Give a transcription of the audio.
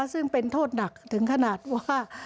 ซึ่งเป็นโทษหนักถึงขนาดว่า